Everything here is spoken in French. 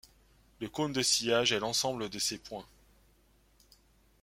Le cône de sillage est l'ensemble de ces points.